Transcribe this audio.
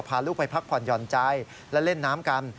พาลูกไปพักผ่อนหย่อนใจและเล่นน้ำกัน